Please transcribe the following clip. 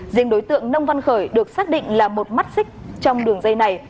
riêng đối tượng nông văn khởi được xác định là một mắt xích trong đường dây này